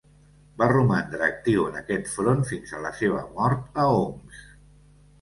Va romandre actiu en aquest front fins a la seva mort a Homs.